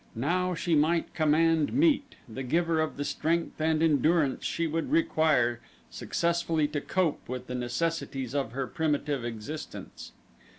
Now she might command meat, the giver of the strength and endurance she would require successfully to cope with the necessities of her primitive existence.